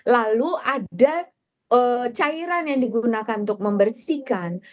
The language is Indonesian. lalu ada cairan yang digunakan untuk membersihkan